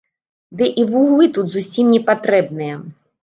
Ды і вуглы тут зусім не патрэбныя.